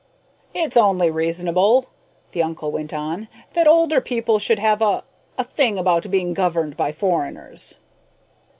"It's only reasonable," the uncle went on, "that older people should have a a thing about being governed by foreigners."